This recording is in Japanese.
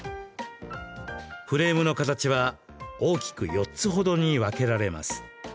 フレームの形は大きく４つほどに分けられます。